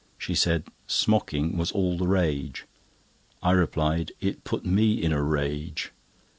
She said "smocking" was all the rage. I replied it put me in a rage.